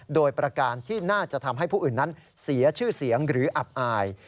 โดยประการที่น่าจะทำให้ผู้อื่นนั้นเสียชื่อเสียงหรืออับอาย